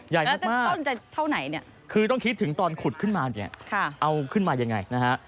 ใหญ่มากคือต้องคิดถึงตอนขุดขึ้นมาเนี่ยเอาขึ้นมายังไงนะฮะ